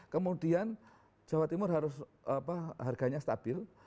kemudian jawa timur harus harganya stabil